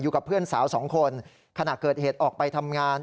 กับเพื่อนสาวสองคนขณะเกิดเหตุออกไปทำงาน